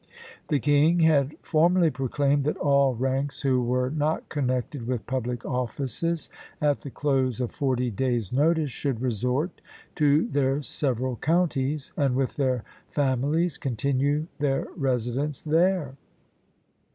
The king had formerly proclaimed that all ranks who were not connected with public offices, at the close of forty days' notice, should resort to their several counties, and with their families continue their residence there.